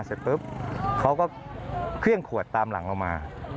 เสร็จปุ๊บเขาก็เครื่องขวดตามหลังเรามา